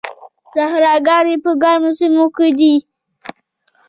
صحراګان په ګرمو سیمو کې دي.